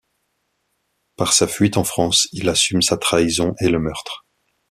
Par sa fuite en France, il assume sa trahison et le meurtre.